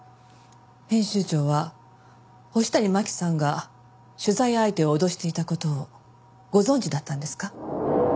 編集長は星谷真輝さんが取材相手を脅していた事をご存じだったんですか？